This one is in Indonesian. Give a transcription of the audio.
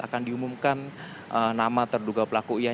akan diumumkan nama terduga pelaku ia